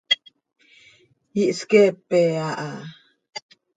Ihsqueepe aha.